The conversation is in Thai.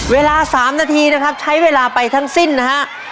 เวลา๓นาทีนะครับใช้เวลาไปทั้งสิ้นนะฮะ